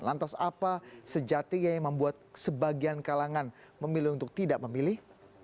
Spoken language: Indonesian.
lantas apa sejatinya yang membuat sebagian kalangan memilih untuk tidak memilih